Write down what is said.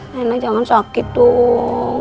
rena jangan sakit dong